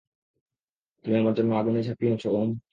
তুমি আমার জন্য আগুনে ঝাঁপিয়েছ ওম।